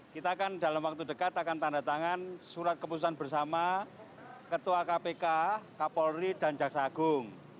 kita kan dalam waktu dekat akan tanda tangan surat keputusan bersama ketua kpk kapolri dan jaksa agung